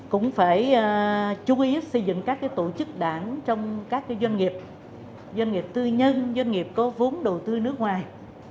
cũng phải chú ý xây dựng các tổ chức đảng trong các doanh nghiệp doanh nghiệp tư nhân doanh nghiệp có vốn đầu tư nước ngoài